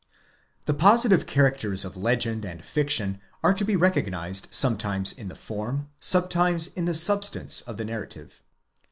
The positive characters of legend and fiction are to be re cognized sometimes in the form, sometimes in the substance of a narrative.